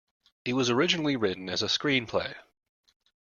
It was originally written as a screenplay.